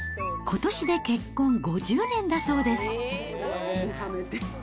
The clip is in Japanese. ことしで結婚５０年だそうです。